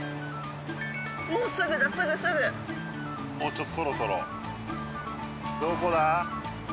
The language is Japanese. もうすぐだすぐすぐもうちょっとそろそろどこだ？